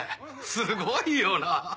すごいよなぁ。